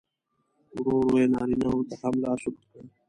ورو ورو یې نارینه و ته هم لاس اوږد کړ.